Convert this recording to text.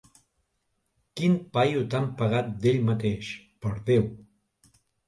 Quin paio tan pagat d'ell mateix, per Déu!